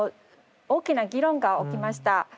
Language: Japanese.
大きな議論が起きました。